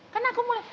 kan aku mulai